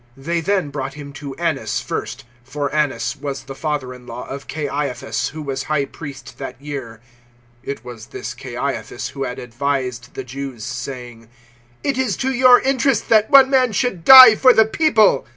018:013 They then brought Him to Annas first; for Annas was the father in law of Caiaphas who was High Priest that year. 018:014 (It was this Caiaphas who had advised the Jews, saying, "It is to your interest that one man should die for the People.")